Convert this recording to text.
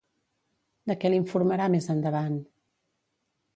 De què l'informarà més endavant?